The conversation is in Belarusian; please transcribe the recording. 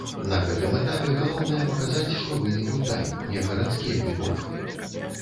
На гэтым этапе галоўнае паказаць, што вы не гультай, не гарадскі абібок.